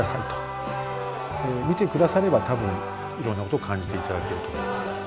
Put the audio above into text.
見てくだされば多分いろんなこと感じていただけると思います。